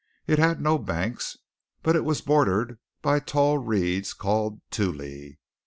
It had no banks, but was bordered by the tall reeds called tules.